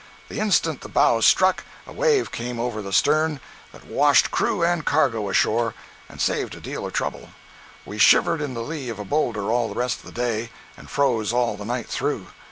The instant the bow struck, a wave came over the stern that washed crew and cargo ashore, and saved a deal of trouble. We shivered in the lee of a boulder all the rest of the day, and froze all the night through.